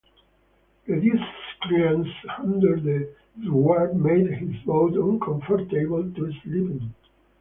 Reduced clearance under the thwart made this boat uncomfortable to sleep in.